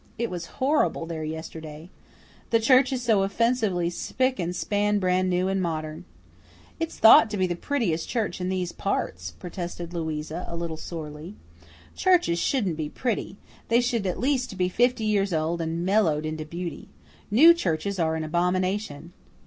It was horrible there yesterday. The church is so offensively spick and span brand new and modern." "It's thought to be the prettiest church in these parts," protested Louisa, a little sorely. "Churches shouldn't be pretty they should at least be fifty years old and mellowed into beauty. New churches are an abomination."